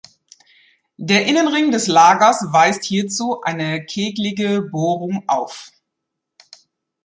Der Innenring des Lagers weist hierzu eine kegelige Bohrung auf.